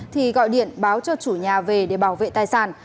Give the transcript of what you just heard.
thì gọi điện báo cho chủ nhà về để bảo vệ tài sản